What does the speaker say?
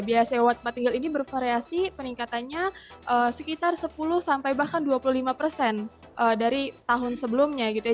biaya sewa tempat tinggal ini bervariasi peningkatannya sekitar sepuluh sampai bahkan dua puluh lima persen dari tahun sebelumnya gitu ya